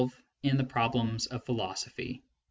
in The Problems of Philosophy.